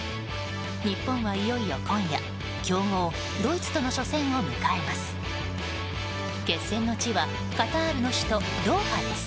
日本はいよいよ今夜強豪ドイツとの初戦を迎えます。